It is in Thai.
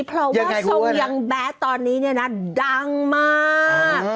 เพราะว่าทรงยางแบ๊กตอนนี้หน่ะดังมาก